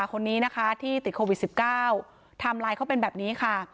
คนนี้นะคะที่ติดโควิดสิบเก้าทำลายเขาเป็นแบบนี้ค่ะ